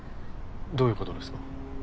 どういうことですか？